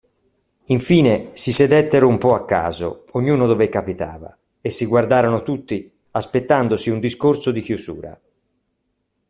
Infine, si sedettero un po' a caso, ognuno dove capitava, e si guardarono tutti, aspettandosi un discorso di chiusura.